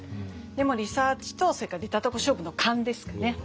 でもリサーチとそれから出たとこ勝負の勘ですかね。